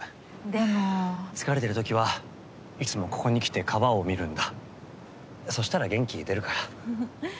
でも疲れてるときはいつもここに来て川をそしたら元気出るから。